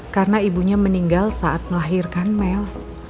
karena ibunya meninggal saat melahirkan mel